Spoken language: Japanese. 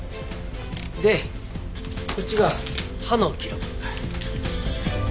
でこっちが歯の記録。